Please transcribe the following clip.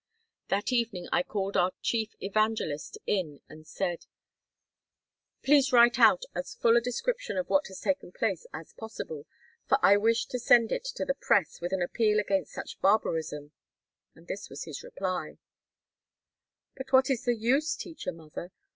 That evening I called our chief Evangelist in and said, "Please write out as full a description of what has taken place as possible, for I wish to send it to the press with an appeal against such barbarism." And this was his reply, "But what is the use, Teacher Mother?